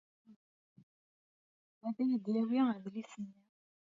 Ad yi-d-yawi adlis-nni.